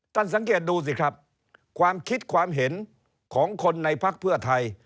สังเกตดูสิครับความคิดความเห็นของคนในพักเพื่อไทย